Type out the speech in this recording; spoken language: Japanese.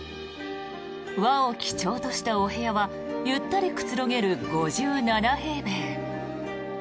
和を基調としたお部屋はゆったりくつろげる５７平米。